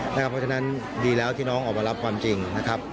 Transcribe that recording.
เพราะฉะนั้นดีแล้วที่น้องออกมารับความจริงนะครับ